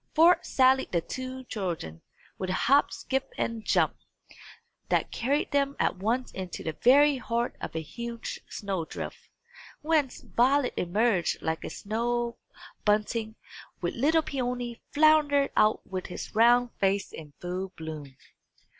Forth sallied the two children, with a hop skip and jump, that carried them at once into the very heart of a huge snow drift, whence Violet emerged like a snow bunting, while little Peony floundered out with his round face in full bloom.